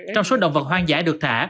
trong số động vật hoang dã được thả